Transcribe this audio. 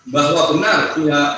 bahwa benar pihak